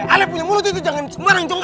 alek punya mulut itu jangan sembarang cukup